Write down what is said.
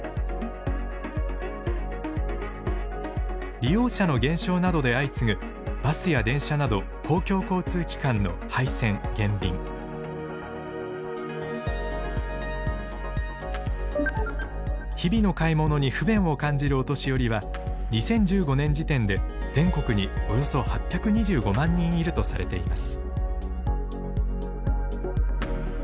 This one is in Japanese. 利用者の減少などで相次ぐバスや電車など日々の買い物に不便を感じるお年寄りは２０１５年時点で全国におよそ８２５万人いるとされています。